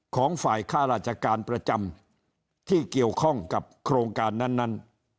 ของฝ่ายค่าราชการประจำที่เกี่ยวข้องกับโครงการนั้น